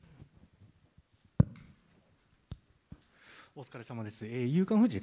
お疲れさまです。